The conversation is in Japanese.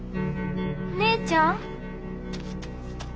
姉ちゃん？